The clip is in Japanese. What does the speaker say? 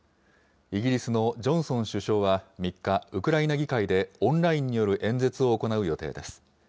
イギリスのジョンソン首相は３日、ウクライナ議会でオンラインによる演説を行う予定です。